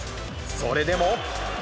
それでも。